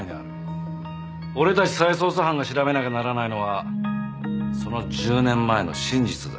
俺たち再捜査班が調べなきゃならないのはその１０年前の真実だ。